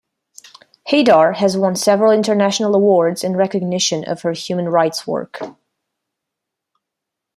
Haidar has won several international awards in recognition of her human rights work.